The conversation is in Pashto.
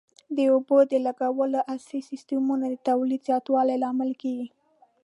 د اوبو د لګولو عصري سیستمونه د تولید زیاتوالي لامل کېږي.